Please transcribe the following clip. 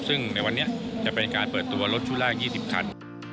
ซึ่งในวันนี้จะเป็นการเปิดตัวรถชุดแรก๒๐คัน